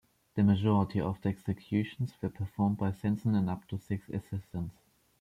The majority of the executions were performed by Sanson and up to six assistants.